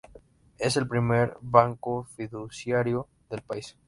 Es el primer banco fiduciario del país.